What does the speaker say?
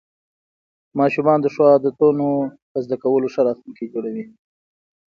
ماشومان د ښو عادتونو په زده کولو ښه راتلونکی جوړوي